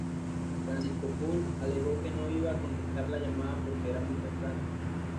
Francisco Pol alegó que no iba a contestar la llamada porque era muy temprano.